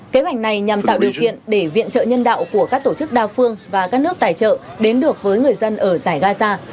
kế hoạch này nhằm tạo điều kiện để viện trợ nhân đạo của các tổ chức đa phương và các nước tài trợ đến được với người dân ở giải gaza